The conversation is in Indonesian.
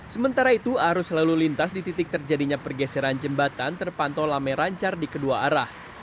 sementara itu arus lalu lintas di titik terjadinya pergeseran jembatan terpantau lame rancar di kedua arah